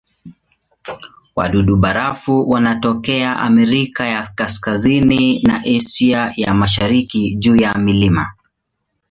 Wadudu-barafu wanatokea Amerika ya Kaskazini na Asia ya Mashariki juu ya milima.